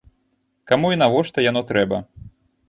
Каму і навошта яно трэба?